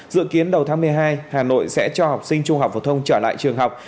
dự kiến đầu tháng một mươi hai hà nội sẽ cho học sinh trung học phổ thông trở lại trường học